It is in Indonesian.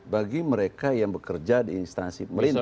bagi mereka yang bekerja di instansi pemerintah